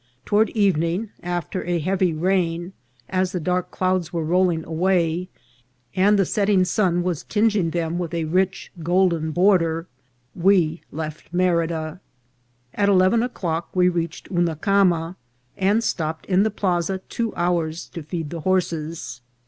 Toward evening, after a heavy rain, as the dark clouds were rolling away, and the setting sun was tinging them with a rich golden border, we left Merida. At eleven o'clock we reached Hunucama, and stopped in the plaza two hours to feed the horses.